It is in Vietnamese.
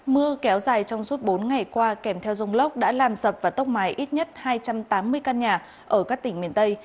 mưa kéo dài trong suốt bốn ngày qua kèm theo dông lốc đã làm sập và tốc mái ít nhất hai trăm tám mươi căn nhà ở các tỉnh miền tây